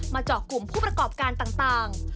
เจาะกลุ่มผู้ประกอบการต่าง